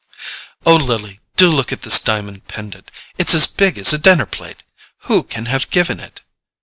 "Oh, Lily, do look at this diamond pendant—it's as big as a dinner plate! Who can have given it?"